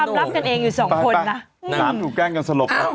เธอไปไข่ดันน่ะโน้ต